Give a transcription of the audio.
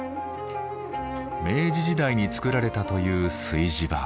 明治時代に作られたという炊事場。